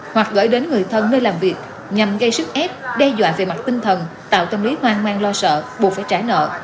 hoặc gửi đến người thân nơi làm việc nhằm gây sức ép đe dọa về mặt tinh thần tạo tâm lý hoang mang lo sợ buộc phải trả nợ